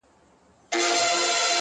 د خاوند یې نفس تنګ په واویلا وو!.